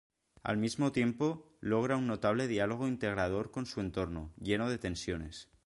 Al mismo tiempo, logra un notable diálogo integrador con su entorno, lleno de tensiones.